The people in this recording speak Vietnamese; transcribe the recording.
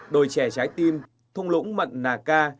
đồi trẻ trái tim thung lũng mận nà ca